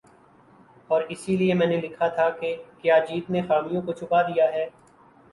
اور اسی لیے میں نے لکھا تھا کہ "کیا جیت نے خامیوں کو چھپا دیا ہے ۔